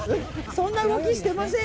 そんな動きはしていません。